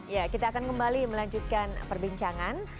ya kita akan kembali melanjutkan perbincangan